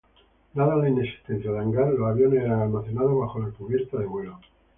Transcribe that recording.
Dada la inexistencia de hangar, los aviones eran almacenados bajo la cubierta de vuelo.